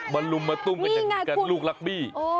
มันลุมมาตุ้มกันลูกลักบี้